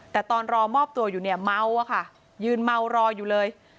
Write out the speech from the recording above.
แต่ตอนรอมอบตัวอยู่เนี่ยเมาอะค่ะยืนเมารออยู่เลย